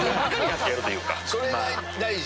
それが大事？